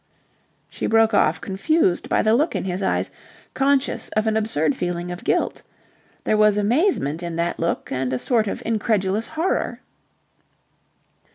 She broke off confused by the look in his eyes, conscious of an absurd feeling of guilt. There was amazement in that look and a sort of incredulous horror.